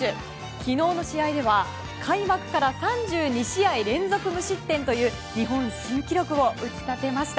昨日の試合では開幕から３２試合連続無失点という日本新記録を打ち立てました。